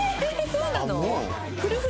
そうなの？